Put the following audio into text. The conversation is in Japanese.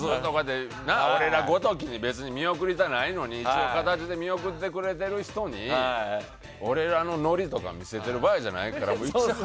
俺らごときに見送りたないのにそういう形で見送ってくれてる人に俺らのノリとか見せてる場合じゃないから。